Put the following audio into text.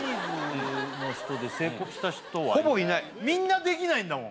いよいよみんなできないんだもん